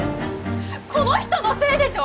この人のせいでしょ